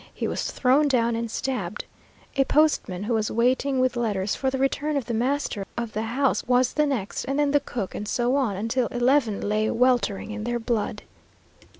He was thrown down and stabbed. A postman, who was waiting with letters for the return of the master of the house, was the next, and then the cook, and so on, until eleven lay weltering in their blood.